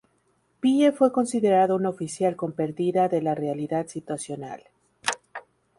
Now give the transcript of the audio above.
Pye fue considerado un oficial con perdida de la realidad situacional.